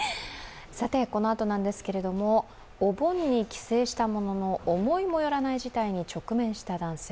このあとなんですけれどもお盆に帰省したものの思いもよらない事態に直面した男性。